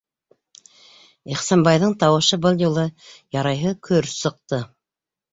- Ихсанбайҙың тауышы был юлы ярайһы көр сыҡты.